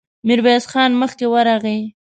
ميرويس خان مخکې ورغی.